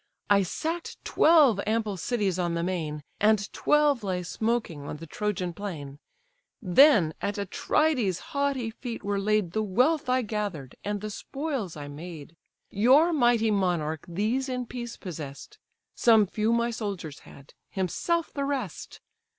I sack'd twelve ample cities on the main, And twelve lay smoking on the Trojan plain: Then at Atrides' haughty feet were laid The wealth I gathered, and the spoils I made. Your mighty monarch these in peace possess'd; Some few my soldiers had, himself the rest.